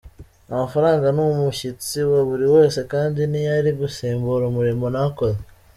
Amafaranga ni umushyitsi wa buri wese kandi ntiyari gusimbura umurimo nakoze.